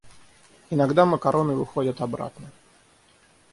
Иногда макароны выходят обратно.